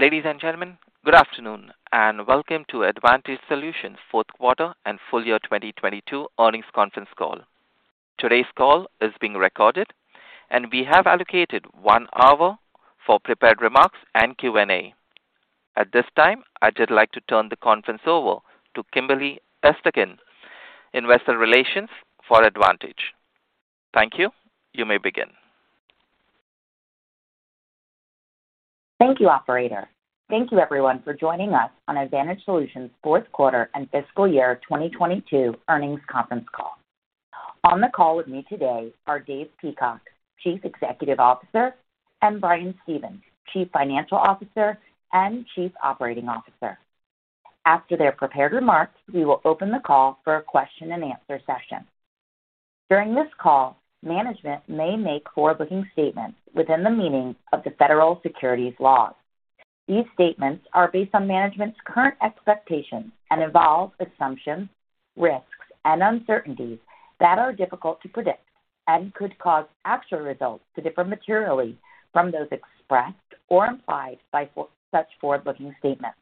Ladies and gentlemen, good afternoon, and welcome to Advantage Solutions' fourth quarter and full year 2022 earnings conference call. Today's call is being recorded, and we have allocated one hour for prepared remarks and Q&A. At this time, I'd like to turn the conference over to Kimberly Esterkin, Investor Relations for Advantage. Thank you. You may begin. Thank you, operator. Thank you everyone for joining us on Advantage Solutions' fourth quarter and fiscal year 2022 earnings conference call. On the call with me today are Dave Peacock, Chief Executive Officer, and Brian Stevens, Chief Financial Officer and Chief Operating Officer. After their prepared remarks, we will open the call for a question and answer session. During this call, management may make forward-looking statements within the meaning of the federal securities laws. These statements are based on management's current expectations and involve assumptions, risks, and uncertainties that are difficult to predict and could cause actual results to differ materially from those expressed or implied by such forward-looking statements.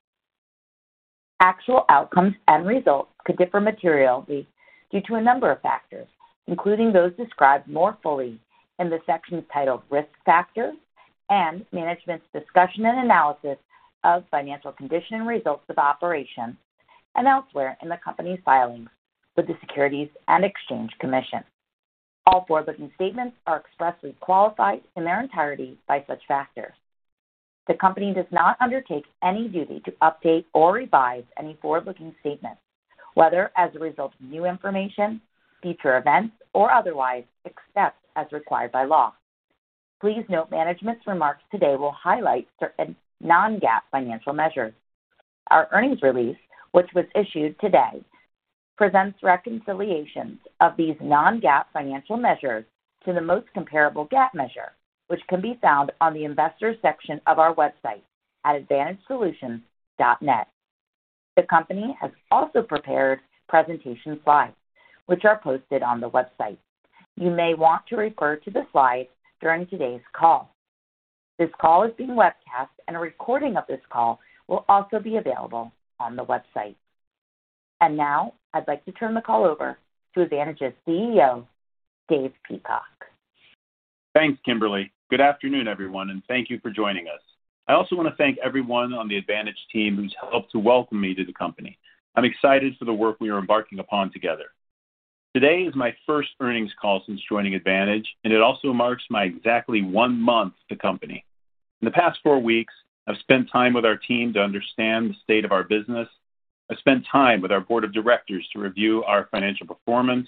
Actual outcomes and results could differ materially due to a number of factors, including those described more fully in the sections titled Risk Factors and Management's Discussion and Analysis of Financial Condition and Results of Operations and elsewhere in the company's filings with the Securities and Exchange Commission. All forward-looking statements are expressly qualified in their entirety by such factors. The company does not undertake any duty to update or revise any forward-looking statements, whether as a result of new information, future events, or otherwise, except as required by law. Please note management's remarks today will highlight certain non-GAAP financial measures. Our earnings release, which was issued today, presents reconciliations of these non-GAAP financial measures to the most comparable GAAP measure, which can be found on the Investors section of our website at advantagesolutions.net. The company has also prepared presentation slides, which are posted on the website. You may want to refer to the slides during today's call. This call is being webcast. A recording of this call will also be available on the website. Now, I'd like to turn the call over to Advantage's CEO, Dave Peacock. Thanks, Kimberly. Good afternoon, everyone, and thank you for joining us. I also want to thank everyone on the Advantage team who's helped to welcome me to the company. I'm excited for the work we are embarking upon together. Today is my first earnings call since joining Advantage, and it also marks my exactly one month to company. In the past four weeks, I've spent time with our team to understand the state of our business. I've spent time with our board of directors to review our financial performance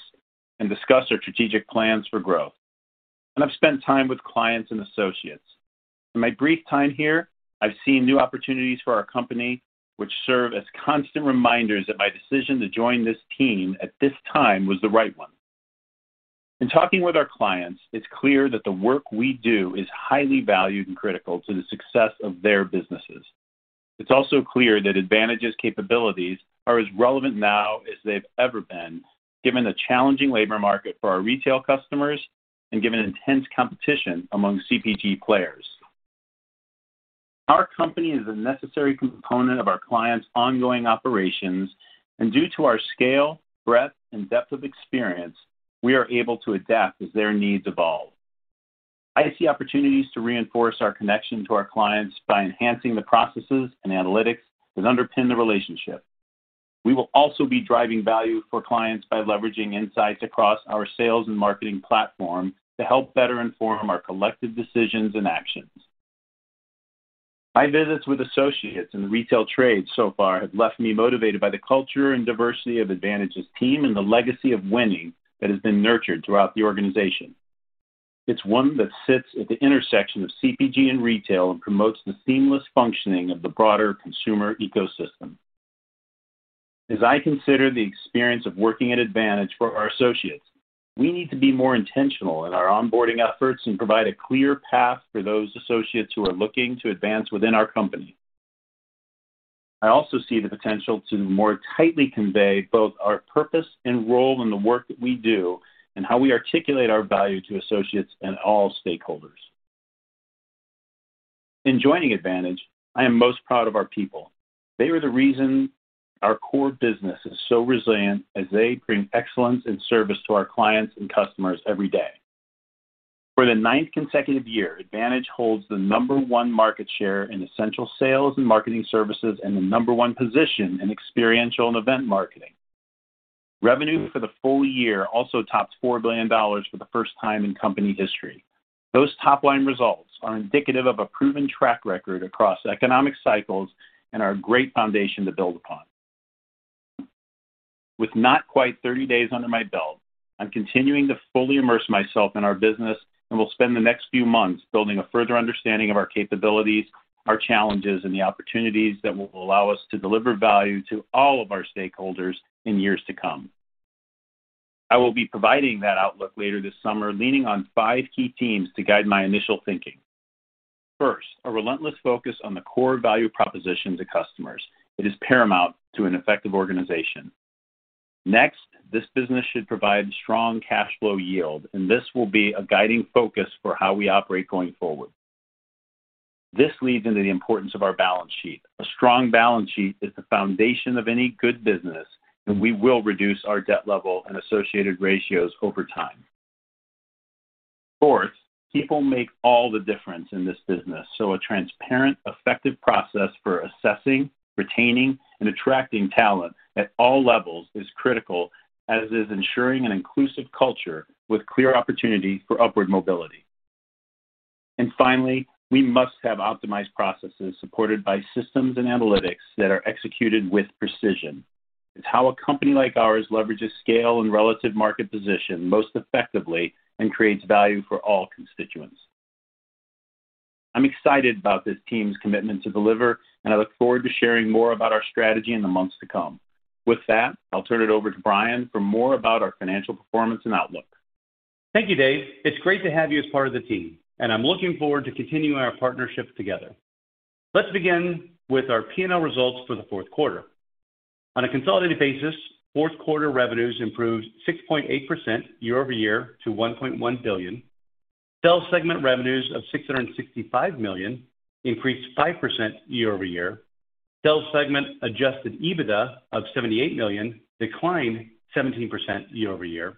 and discuss our strategic plans for growth. I've spent time with clients and associates. In my brief time here, I've seen new opportunities for our company, which serve as constant reminders that my decision to join this team at this time was the right one. In talking with our clients, it's clear that the work we do is highly valued and critical to the success of their businesses. It's also clear that Advantage's capabilities are as relevant now as they've ever been, given the challenging labor market for our retail customers and given intense competition among CPG players. Our company is a necessary component of our clients' ongoing operations, and due to our scale, breadth, and depth of experience, we are able to adapt as their needs evolve. I see opportunities to reinforce our connection to our clients by enhancing the processes and analytics that underpin the relationship. We will also be driving value for clients by leveraging insights across our sales and marketing platform to help better inform our collective decisions and actions. My visits with associates in the retail trade so far have left me motivated by the culture and diversity of Advantage's team and the legacy of winning that has been nurtured throughout the organization. It's one that sits at the intersection of CPG and retail and promotes the seamless functioning of the broader consumer ecosystem. As I consider the experience of working at Advantage for our associates, we need to be more intentional in our onboarding efforts and provide a clear path for those associates who are looking to advance within our company. I also see the potential to more tightly convey both our purpose and role in the work that we do and how we articulate our value to associates and all stakeholders. In joining Advantage, I am most proud of our people. They are the reason our core business is so resilient as they bring excellence and service to our clients and customers every day. For the 9th consecutive year, Advantage holds the number 1 market share in essential sales and marketing services and the number 1 position in experiential and event marketing. Revenue for the full year also topped $4 billion for the first time in company history. Those top-line results are indicative of a proven track record across economic cycles and are a great foundation to build upon. With not quite 30 days under my belt, I'm continuing to fully immerse myself in our business and will spend the next few months building a further understanding of our capabilities, our challenges, and the opportunities that will allow us to deliver value to all of our stakeholders in years to come. I will be providing that outlook later this summer, leaning on five key themes to guide my initial thinking. First, a relentless focus on the core value proposition to customers. It is paramount to an effective organization. Next, this business should provide strong cash flow yield, and this will be a guiding focus for how we operate going forward. This leads into the importance of our balance sheet. A strong balance sheet is the foundation of any good business, and we will reduce our debt level and associated ratios over time. Fourth, people make all the difference in this business, so a transparent, effective process for assessing, retaining, and attracting talent at all levels is critical, as is ensuring an inclusive culture with clear opportunity for upward mobility. Finally, we must have optimized processes supported by systems and analytics that are executed with precision. It's how a company like ours leverages scale and relative market position most effectively and creates value for all constituents. I'm excited about this team's commitment to deliver, and I look forward to sharing more about our strategy in the months to come. With that, I'll turn it over to Brian for more about our financial performance and outlook. Thank you, Dave. It's great to have you as part of the team, and I'm looking forward to continuing our partnership together. Let's begin with our P&L results for the fourth quarter. On a consolidated basis, fourth-quarter revenues improved 6.8% year-over-year to $1.1 billion. Sales segment revenues of $665 million increased 5% year-over-year. Sales segment Adjusted EBITDA of $78 million declined 17% year-over-year.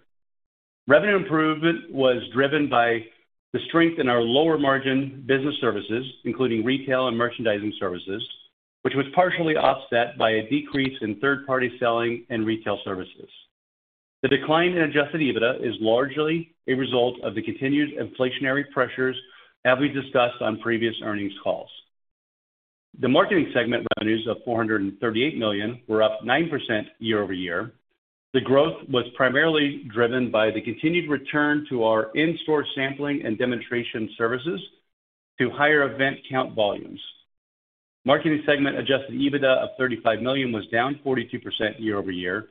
Revenue improvement was driven by the strength in our lower margin business services, including retail and merchandising services, which was partially offset by a decrease in third-party selling and retail services. The decline in Adjusted EBITDA is largely a result of the continued inflationary pressures as we discussed on previous earnings calls. The marketing segment revenues of $438 million were up 9% year-over-year. The growth was primarily driven by the continued return to our in-store sampling and demonstration services to higher event count volumes. Marketing segment Adjusted EBITDA of $35 million was down 42% year-over-year,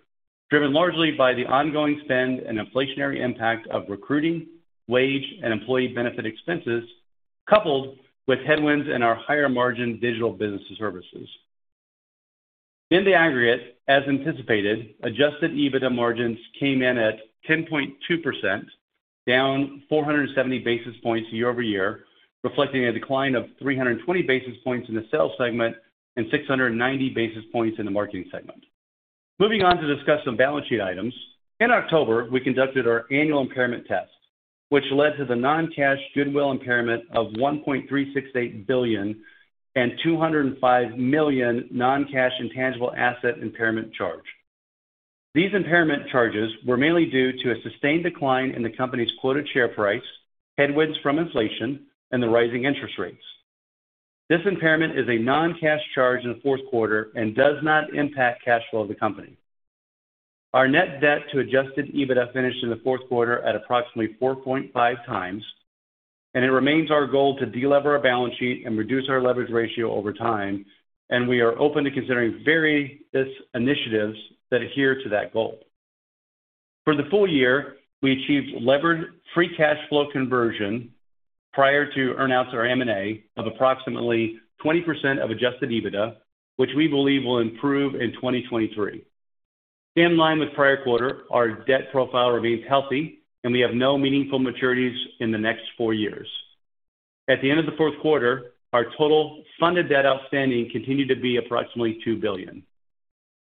driven largely by the ongoing spend and inflationary impact of recruiting, wage, and employee benefit expenses, coupled with headwinds in our higher margin digital business services. In the aggregate, as anticipated, Adjusted EBITDA margins came in at 10.2%, down 470 basis points year-over-year, reflecting a decline of 320 basis points in the sales segment and 690 basis points in the marketing segment. Moving on to discuss some balance sheet items. In October, we conducted our annual impairment test, which led to the non-cash goodwill impairment of $1.368 billion and $205 million non-cash intangible asset impairment charge. These impairment charges were mainly due to a sustained decline in the company's quoted share price, headwinds from inflation, and the rising interest rates. This impairment is a non-cash charge in the fourth quarter and does not impact cash flow of the company. Our net debt to Adjusted EBITDA finished in the fourth quarter at approximately 4.5 times. It remains our goal to de-lever our balance sheet and reduce our leverage ratio over time. We are open to considering various initiatives that adhere to that goal. For the full year, we achieved levered free cash flow conversion prior to earn-outs or M&A of approximately 20% of Adjusted EBITDA, which we believe will improve in 2023. In line with prior quarter, our debt profile remains healthy. We have no meaningful maturities in the next four years. At the end of the fourth quarter, our total funded debt outstanding continued to be approximately $2 billion.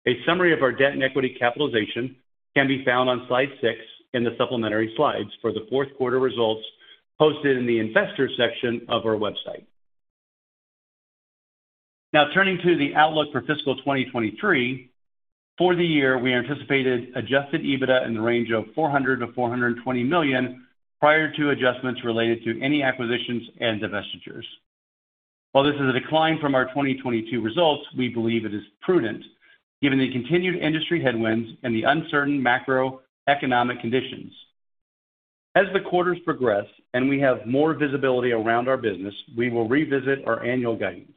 A summary of our debt and equity capitalization can be found on slide 6 in the supplementary slides for the fourth quarter results posted in the investor section of our website. Turning to the outlook for fiscal 2023. For the year, we anticipated Adjusted EBITDA in the range of $400 million-$420 million prior to adjustments related to any acquisitions and divestitures. While this is a decline from our 2022 results, we believe it is prudent given the continued industry headwinds and the uncertain macroeconomic conditions. As the quarters progress and we have more visibility around our business, we will revisit our annual guidance.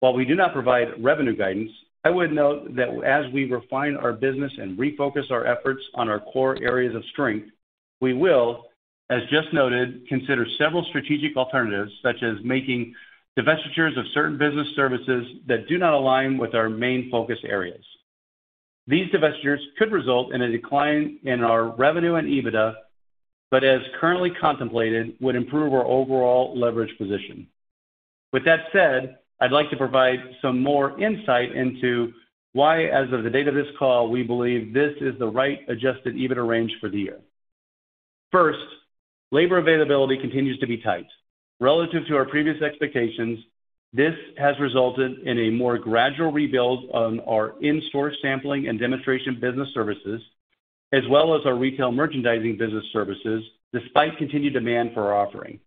While we do not provide revenue guidance, I would note that as we refine our business and refocus our efforts on our core areas of strength, we will, as just noted, consider several strategic alternatives, such as making divestitures of certain business services that do not align with our main focus areas. These divestitures could result in a decline in our revenue and EBITDA, but as currently contemplated, would improve our overall leverage position. With that said, I'd like to provide some more insight into why, as of the date of this call, we believe this is the right Adjusted EBITDA range for the year. First, labor availability continues to be tight. Relative to our previous expectations, this has resulted in a more gradual rebuild on our in-store sampling and demonstration business services, as well as our retail merchandising business services, despite continued demand for our offering.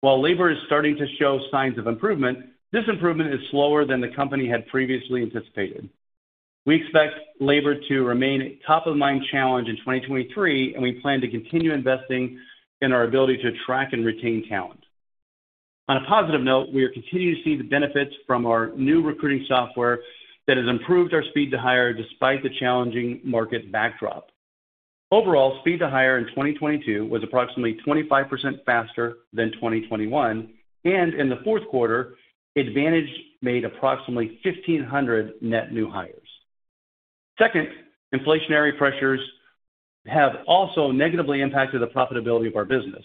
While labor is starting to show signs of improvement, this improvement is slower than the company had previously anticipated. We expect labor to remain a top-of-mind challenge in 2023, and we plan to continue investing in our ability to attract and retain talent. On a positive note, we are continuing to see the benefits from our new recruiting software that has improved our speed to hire despite the challenging market backdrop. Overall, speed to hire in 2022 was approximately 25% faster than 2021, and in the fourth quarter, Advantage made approximately 1,500 net new hires. Second, inflationary pressures have also negatively impacted the profitability of our business.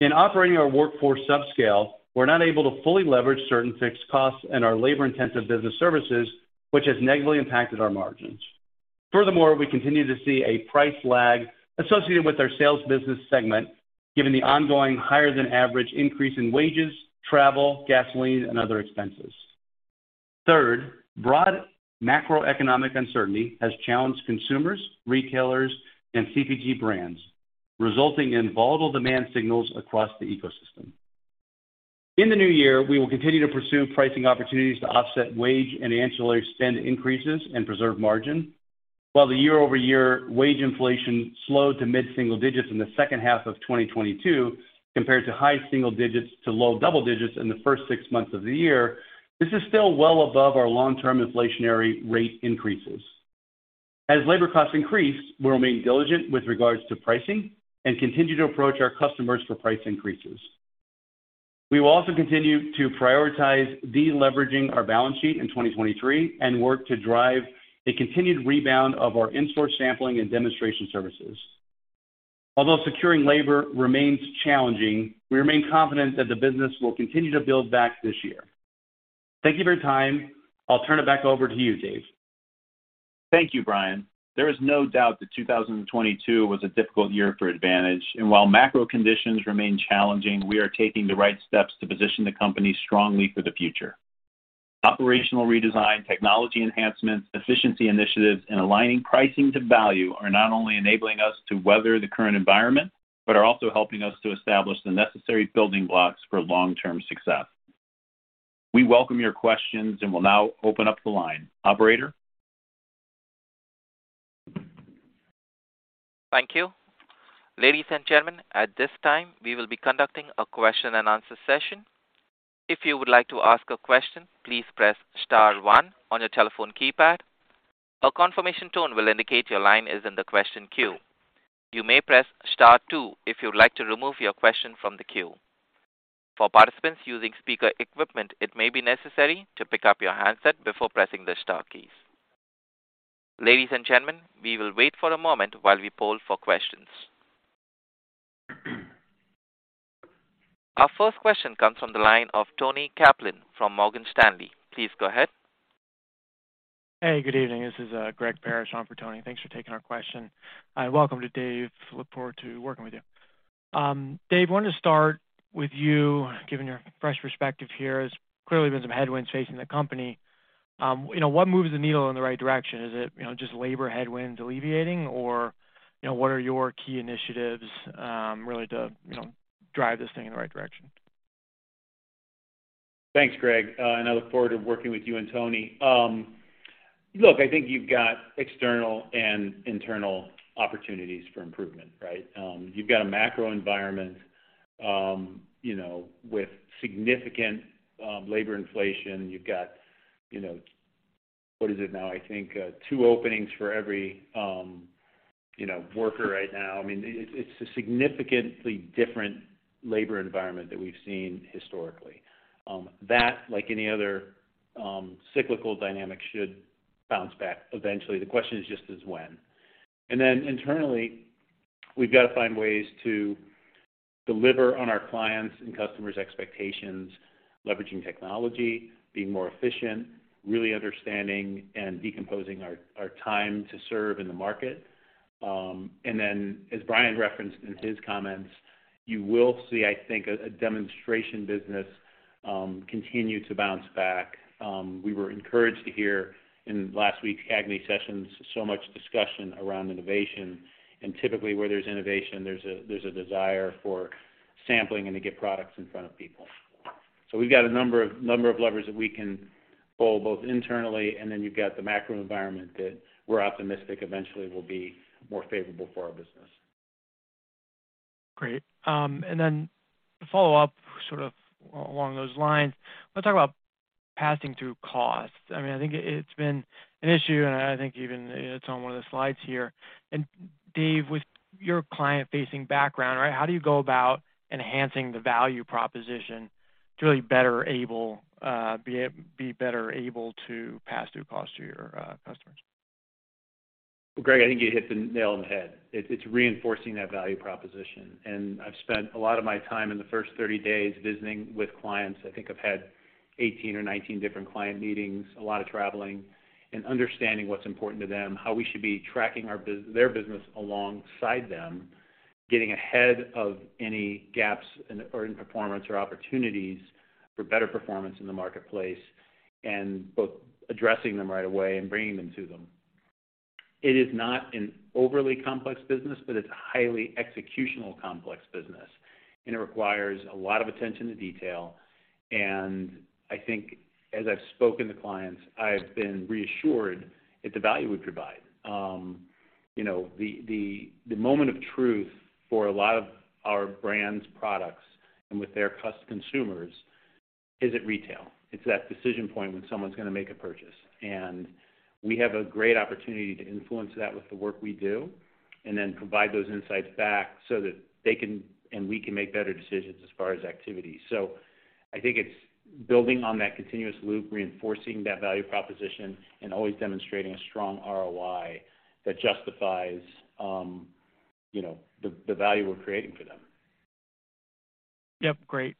In operating our workforce subscale, we're not able to fully leverage certain fixed costs in our labor-intensive business services, which has negatively impacted our margins. Furthermore, we continue to see a price lag associated with our sales business segment, given the ongoing higher than average increase in wages, travel, gasoline, and other expenses. Third, broad macroeconomic uncertainty has challenged consumers, retailers, and CPG brands, resulting in volatile demand signals across the ecosystem. In the new year, we will continue to pursue pricing opportunities to offset wage and ancillary spend increases and preserve margin. While the year-over-year wage inflation slowed to mid-single digits in the second half of 2022 compared to high single digits to low double digits in the first six months of the year, this is still well above our long-term inflationary rate increases. As labor costs increase, we'll remain diligent with regards to pricing and continue to approach our customers for price increases. We will also continue to prioritize de-leveraging our balance sheet in 2023 and work to drive a continued rebound of our in-store sampling and demonstration services. Although securing labor remains challenging, we remain confident that the business will continue to build back this year. Thank you for your time. I'll turn it back over to you, Dave. Thank you, Brian. There is no doubt that 2022 was a difficult year for Advantage. While macro conditions remain challenging, we are taking the right steps to position the company strongly for the future. Operational redesign, technology enhancements, efficiency initiatives, and aligning pricing to value are not only enabling us to weather the current environment, but are also helping us to establish the necessary building blocks for long-term success. We welcome your questions and will now open up the line. Operator? Thank you. Ladies and gentlemen, at this time, we will be conducting a question and answer session. If you would like to ask a question, please press star one on your telephone keypad. A confirmation tone will indicate your line is in the question queue. You may press star two if you'd like to remove your question from the queue. For participants using speaker equipment, it may be necessary to pick up your handset before pressing the star keys. Ladies and gentlemen, we will wait for a moment while we poll for questions. Our first question comes from the line of Toni Kaplan from Morgan Stanley. Please go ahead. Hey, good evening. This is Greg Parrish on for Tony. Thanks for taking our question. Welcome to Dave. Look forward to working with you. Dave, wanted to start with you, given your fresh perspective here. There's clearly been some headwinds facing the company. You know, what moves the needle in the right direction? Is it, you know, just labor headwinds alleviating or, you know, what are your key initiatives, really to, you know, drive this thing in the right direction? Thanks, Greg. I look forward to working with you and Tony. Look, I think you've got external and internal opportunities for improvement, right? You've got a macro environment, you know, with significant labor inflation. You've got, you know, what is it now? I think 2 openings for every, you know, worker right now. I mean, it's a significantly different labor environment than we've seen historically. That, like any other cyclical dynamic, should bounce back eventually. The question just is when. Internally, we've got to find ways to deliver on our clients' and customers' expectations, leveraging technology, being more efficient, really understanding and decomposing our time to serve in the market. As Brian referenced in his comments, you will see, I think, a demonstration business continue to bounce back. We were encouraged to hear in last week's CAGNY sessions so much discussion around innovation. Typically, where there's innovation, there's a desire for sampling and to get products in front of people. We've got a number of levers that we can pull both internally, you've got the macro environment that we're optimistic eventually will be more favorable for our business. Great. Then to follow up sort of along those lines, let's talk about passing through costs. I mean, I think it's been an issue, and I think even it's on one of the slides here. Dave, with your client-facing background, right, how do you go about enhancing the value proposition to really be better able to pass through costs to your customers? Well, Greg, I think you hit the nail on the head. It's reinforcing that value proposition. I've spent a lot of my time in the first 30 days visiting with clients. I think I've had 18 or 19 different client meetings, a lot of traveling and understanding what's important to them, how we should be tracking their business alongside them, getting ahead of any gaps in, or in performance or opportunities for better performance in the marketplace, and both addressing them right away and bringing them to them. It is not an overly complex business, but it's a highly executional complex business, and it requires a lot of attention to detail. I think as I've spoken to clients, I've been reassured at the value we provide. The moment of truth for a lot of our brands' products and with their consumers? Is it retail? It's that decision point when someone's gonna make a purchase. We have a great opportunity to influence that with the work we do, and then provide those insights back so that they can, and we can make better decisions as far as activity. I think it's building on that continuous loop, reinforcing that value proposition, and always demonstrating a strong ROI that justifies the value we're creating for them. Yep, great.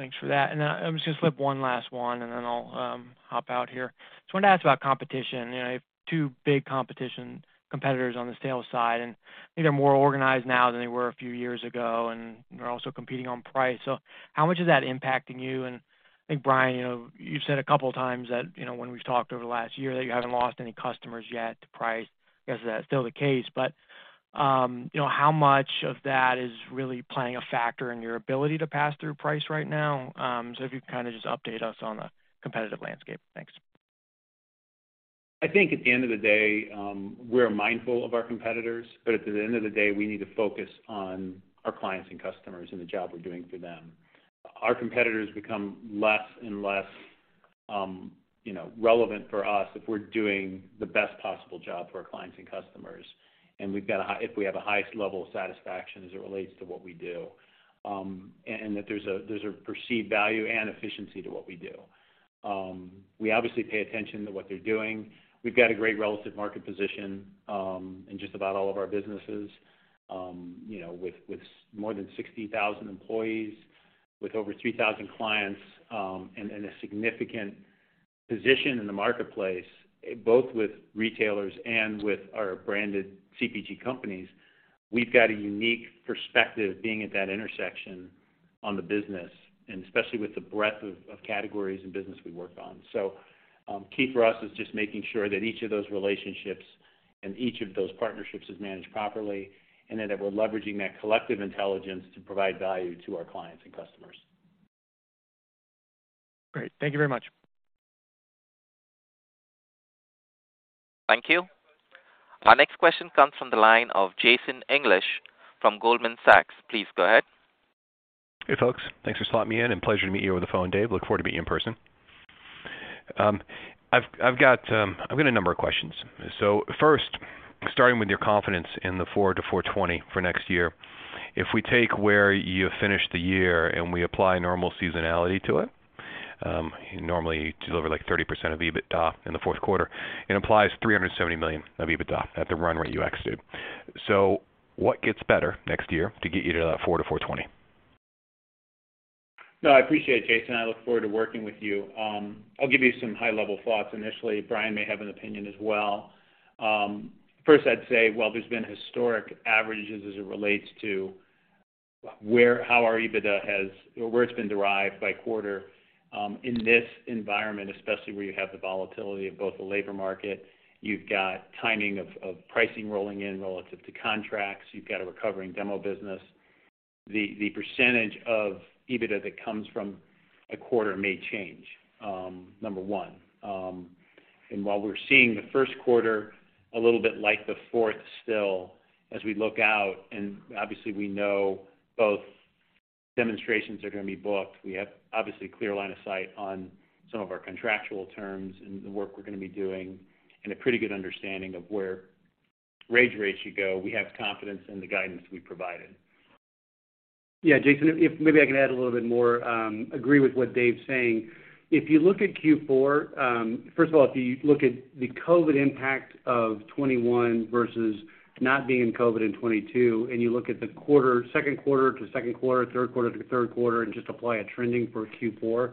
Thanks for that. I'm just gonna slip one last one, and then I'll hop out here. Just wanted to ask about competition. You know, you have two big competition competitors on the sales side, I think they're more organized now than they were a few years ago, and they're also competing on price. How much is that impacting you? I think, Brian, you know, you've said a couple times that, you know, when we've talked over the last year, that you haven't lost any customers yet to price. I guess that's still the case. You know, how much of that is really playing a factor in your ability to pass through price right now? If you kind of just update us on the competitive landscape. Thanks. I think at the end of the day, we're mindful of our competitors, but at the end of the day, we need to focus on our clients and customers and the job we're doing for them. Our competitors become less and less, you know, relevant for us if we're doing the best possible job for our clients and customers. We've got if we have the highest level of satisfaction as it relates to what we do, and that there's a, there's a perceived value and efficiency to what we do. We obviously pay attention to what they're doing. We've got a great relative market position, in just about all of our businesses. You know, with more than 60,000 employees, with over 3,000 clients, and a significant position in the marketplace, both with retailers and with our branded CPG companies, we've got a unique perspective being at that intersection on the business, and especially with the breadth of categories and business we work on. Key for us is just making sure that each of those relationships and each of those partnerships is managed properly, and that we're leveraging that collective intelligence to provide value to our clients and customers. Great. Thank you very much. Thank you. Our next question comes from the line of Jason English from Goldman Sachs. Please go ahead. Hey, folks. Thanks for slotting me in. Pleasure to meet you over the phone, Dave. Look forward to meeting you in person. I've got a number of questions. First, starting with your confidence in the $400 million-$420 million for next year, if we take where you finished the year and we apply normal seasonality to it, you normally deliver like 30% of EBITDA in the fourth quarter. It implies $370 million of EBITDA at the run rate you executed. What gets better next year to get you to that $400 million-$420 million? No, I appreciate it, Jason. I look forward to working with you. I'll give you some high-level thoughts initially. Brian may have an opinion as well. First, I'd say while there's been historic averages as it relates to how our EBITDA has or where it's been derived by quarter, in this environment, especially where you have the volatility of both the labor market, you've got timing of pricing rolling in relative to contracts, you've got a recovering demo business. The percentage of EBITDA that comes from a quarter may change, number one. While we're seeing the first quarter a little bit like the fourth still as we look out, and obviously we know both demonstrations are gonna be booked. We have obviously clear line of sight on some of our contractual terms and the work we're gonna be doing and a pretty good understanding of where wage rates should go. We have confidence in the guidance we provided. Yeah. Jason, if maybe I can add a little bit more. Agree with what Dave's saying. If you look at Q4, first of all, if you look at the COVID impact of 2021 versus not being in COVID in 2022, and you look at the quarter, second quarter to second quarter, third quarter to third quarter, and just apply a trending for Q4,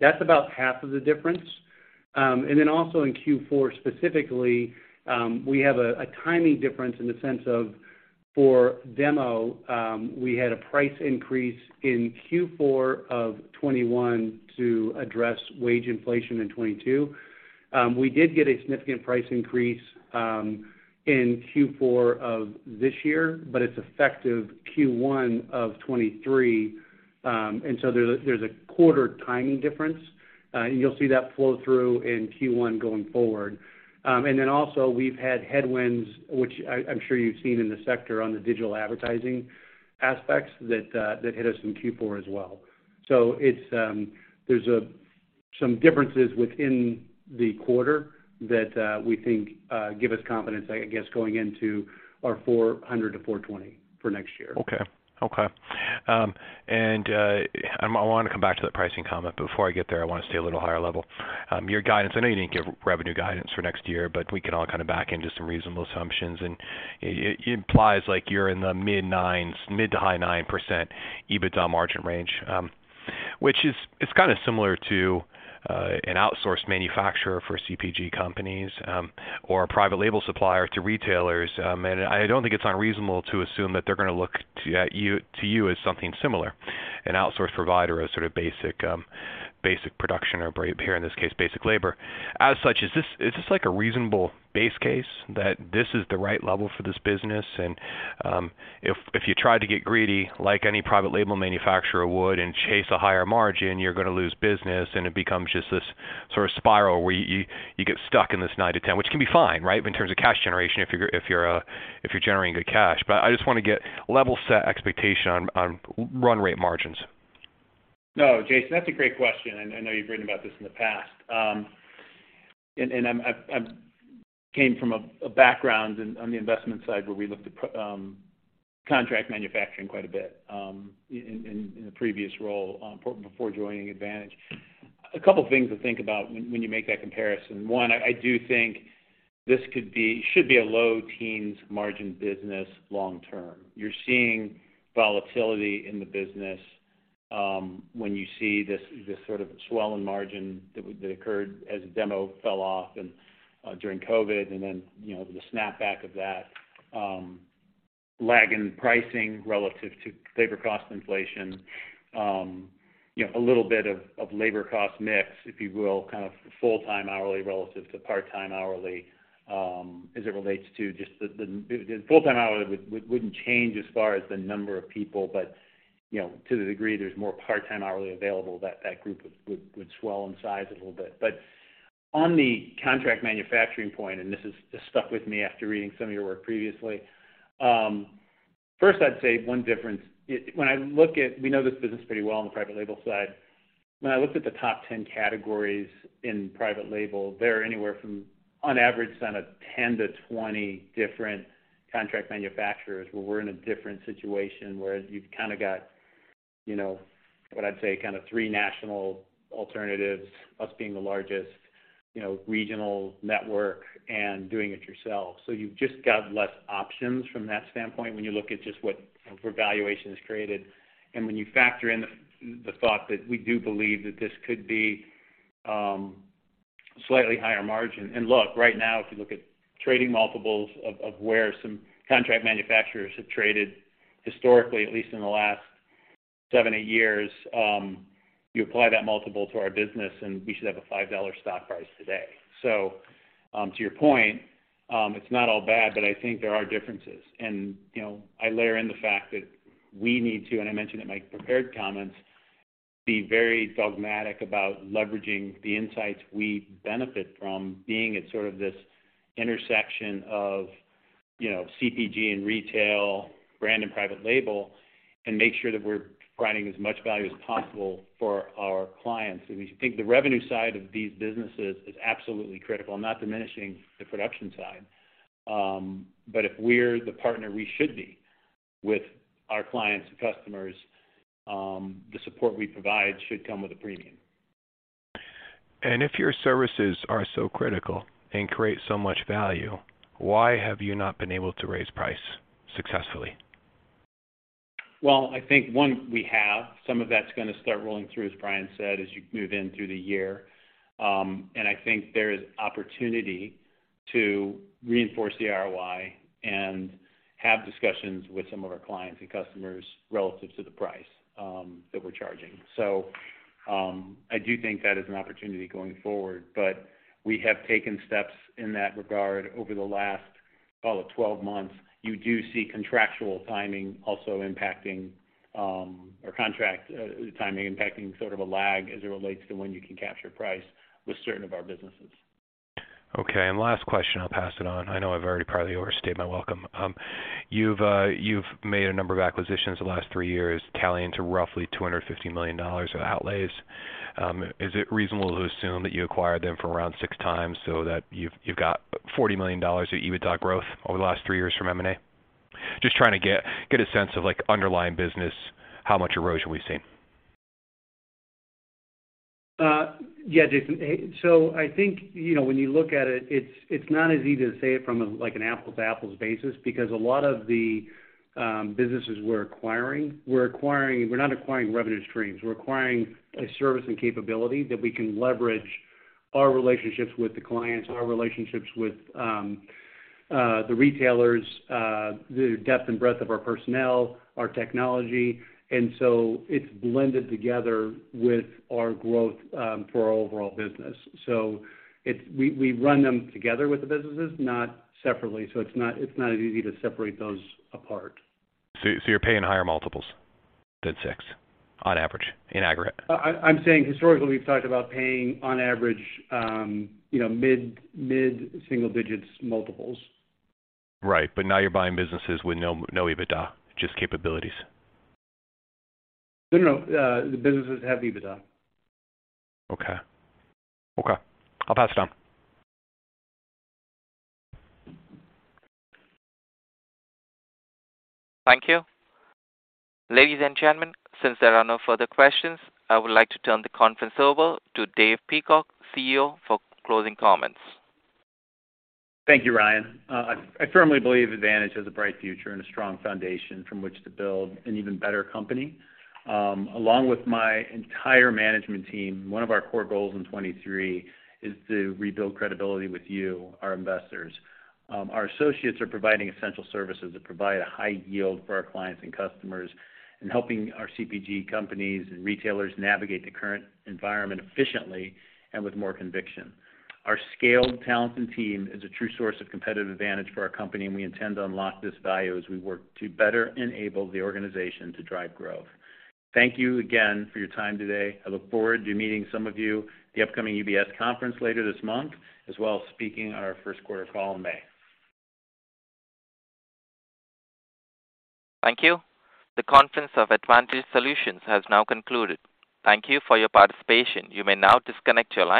that's about half of the difference. Also in Q4 specifically, we have a timing difference in the sense of for demo, we had a price increase in Q4 of 2021 to address wage inflation in 2022. We did get a significant price increase in Q4 of this year, but it's effective Q1 of 2023. There's a quarter timing difference. You'll see that flow through in Q1 going forward. Also we've had headwinds, which I'm sure you've seen in the sector on the digital advertising aspects that hit us in Q4 as well. It's, there's some differences within the quarter that we think give us confidence, I guess, going into our $400 million-$420 million for next year. Okay. Okay. I wanna come back to the pricing comment, but before I get there, I wanna stay a little higher level. Your guidance, I know you didn't give revenue guidance for next year, but we can all kind of back into some reasonable assumptions. It implies like you're in the mid 9s, mid to high 9% EBITDA margin range, it's kinda similar to an outsourced manufacturer for CPG companies, or a private label supplier to retailers. I don't think it's unreasonable to assume that they're gonna look to you as something similar, an outsourced provider of sort of basic production or here in this case, basic labor. As such, is this like a reasonable base case that this is the right level for this business? If you try to get greedy like any private label manufacturer would and chase a higher margin, you're gonna lose business and it becomes just this sort of spiral where you get stuck in this 9%-10%, which can be fine, right? In terms of cash generation if you're generating good cash. I just wanna get level-set expectation on run rate margins. No, Jason, that's a great question. I know you've written about this in the past. I came from a background in, on the investment side where we looked at contract manufacturing quite a bit, in a previous role, before joining Advantage. A couple things to think about when you make that comparison. One, I do think should be a low teens margin business long term. You're seeing volatility in the business, when you see this sort of swell in margin that occurred as the demo fell off and during COVID and then, you know, the snapback of that, lag in pricing relative to labor cost inflation, you know, a little bit of labor cost mix, if you will, kind of full-time hourly relative to part-time hourly, as it relates to just. Full-time hourly wouldn't change as far as the number of people, but, you know, to the degree there's more part-time hourly available, that group would swell in size a little bit. But on the contract manufacturing point, and this has just stuck with me after reading some of your work previously, first, I'd say one difference. When I look at... We know this business pretty well on the private label side. When I looked at the top 10 categories in private label, there are anywhere from on average kind of 10 to 20 different contract manufacturers, where we're in a different situation, where you've kinda got, you know, what I'd say kind of three national alternatives, us being the largest, you know, regional network and doing it yourself. You've just got less options from that standpoint when you look at just what, for valuations created. When you factor in the thought that we do believe that this could be slightly higher margin. Look, right now, if you look at trading multiples of where some contract manufacturers have traded historically, at least in the last seven, eight years, you apply that multiple to our business, and we should have a $5 stock price today. To your point, it's not all bad, but I think there are differences. You know, I layer in the fact that we need to, and I mentioned in my prepared comments, be very dogmatic about leveraging the insights we benefit from being at sort of this intersection of, you know, CPG and retail, brand and private label, and make sure that we're providing as much value as possible for our clients. We think the revenue side of these businesses is absolutely critical. I'm not diminishing the production side. If we're the partner we should be with our clients and customers, the support we provide should come with a premium. If your services are so critical and create so much value, why have you not been able to raise price successfully? Well, I think, one, we have. Some of that's gonna start rolling through, as Brian said, as you move in through the year. I think there's opportunity to reinforce the ROI and have discussions with some of our clients and customers relative to the price that we're charging. I do think that is an opportunity going forward, but we have taken steps in that regard over the last, call it 12 months. You do see contractual timing also impacting, or contract timing impacting sort of a lag as it relates to when you can capture price with certain of our businesses. Okay. Last question, I'll pass it on. I know I've already probably overstayed my welcome. You've made a number of acquisitions the last three years tallying to roughly $250 million of outlays. Is it reasonable to assume that you acquired them for around 6 times so that you've got $40 million of EBITDA growth over the last three years from M&A? Just trying to get a sense of, like, underlying business, how much erosion we've seen. Yeah, Jason. I think, you know, when you look at it's, it's not as easy to say it from a, like, an apples-to-apples basis because a lot of the businesses we're acquiring, we're not acquiring revenue streams. We're acquiring a service and capability that we can leverage our relationships with the clients, our relationships with the retailers, the depth and breadth of our personnel, our technology. It's blended together with our growth for our overall business. We run them together with the businesses, not separately. It's not, it's not as easy to separate those apart. You're paying higher multiples than six on average in aggregate? I'm saying historically, we've talked about paying on average, you know, mid-single digits multiples. Right. Now you're buying businesses with no EBITDA, just capabilities. No, no. The businesses have EBITDA. Okay. Okay. I'll pass it on. Thank you. Ladies and gentlemen, since there are no further questions, I would like to turn the conference over to Dave Peacock, CEO, for closing comments. Thank you, Ryan. I firmly believe Advantage has a bright future and a strong foundation from which to build an even better company. Along with my entire management team, one of our core goals in 23 is to rebuild credibility with you, our investors. Our associates are providing essential services that provide a high yield for our clients and customers in helping our CPG companies and retailers navigate the current environment efficiently and with more conviction. Our scaled talent and team is a true source of competitive advantage for our company, and we intend to unlock this value as we work to better enable the organization to drive growth. Thank you again for your time today. I look forward to meeting some of you at the upcoming UBS conference later this month, as well as speaking on our first quarter call in May. Thank you. The conference of Advantage Solutions has now concluded. Thank you for your participation. You may now disconnect your line.